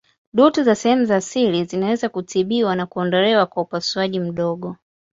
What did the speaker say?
Dutu za sehemu za siri zinaweza kutibiwa na kuondolewa kwa upasuaji mdogo.